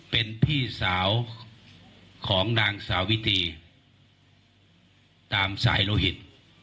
เป็นพี่สาวของนางสาวิตีตามสายโลหิต